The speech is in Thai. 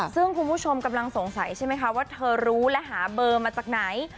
ซึ่งคุณผู้ชมกำลังสงสัยใช่ไหมคะว่าเธอรู้และหาเบอร์มาจากไหน